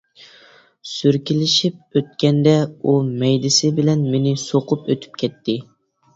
سۈركىلىشىپ ئۆتكەندە ئۇ مەيدىسى بىلەن مېنى سوقۇپ ئۆتۈپ كەتتى.